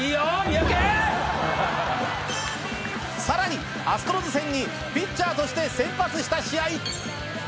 さらにアストロズ戦にピッチャーとして先発した試合。